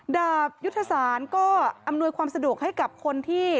ดาบยุทธศาลก็อำนวยความสะดวกให้กับคนที่